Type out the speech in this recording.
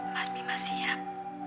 mas bima siap